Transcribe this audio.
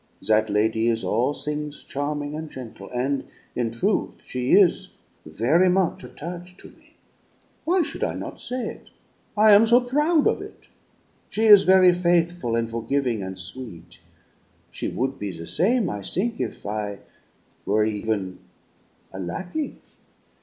That lady is all things charming and gentle, and, in truth, she is very much attach' to me why should I not say it? I am so proud of it. She is very faithful and forgiving and sweet; she would be the same, I think, if I were even a lackey.